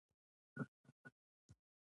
د ستونزې لپاره غلطه تګلاره ټاکل خنډ جوړوي.